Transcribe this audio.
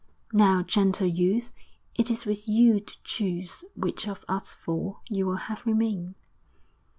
'Now, gentle youth, it is with you to choose which of us four you will have remain.'